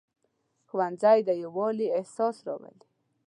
ښوونځی د یووالي احساس راولي